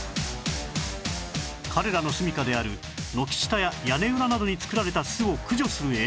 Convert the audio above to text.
彼らのすみかである軒下や屋根裏などに作られた巣を駆除する映像